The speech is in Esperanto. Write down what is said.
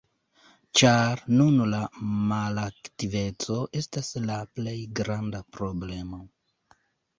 Ĉar nun la malaktiveco estas la plej granda problemo.